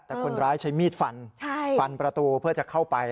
แต่คนร้ายใช้มีดฟันฟันประตูเพื่อจะเข้าไป